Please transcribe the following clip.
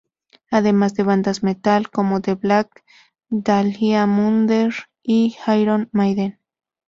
Además de bandas de metal como The Black Dahlia Murder y Iron Maiden.